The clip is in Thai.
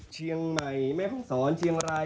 เชียงใหม่แม่ห้องศรเชียงราย